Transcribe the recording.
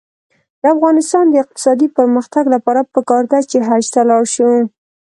د افغانستان د اقتصادي پرمختګ لپاره پکار ده چې حج ته لاړ شو.